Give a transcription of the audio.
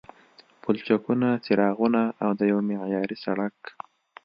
پلچکونو، څراغونو او د یوه معیاري سړک